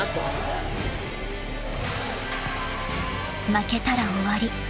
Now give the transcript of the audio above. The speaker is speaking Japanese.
［負けたら終わり］